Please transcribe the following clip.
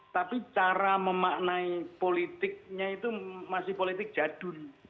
tapi cara memaknai politiknya itu masih politik jadul